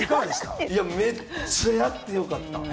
めっちゃやって良かった。